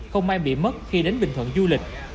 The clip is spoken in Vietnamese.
không may bị mất khi đến bình thuận du lịch